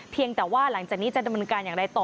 เพียงแต่ว่าหลังจากนี้จะดำเนินการอย่างไรต่อ